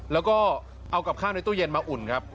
แล้วก็เอากับข้าวในตู้เย็นมาอุ่นครับ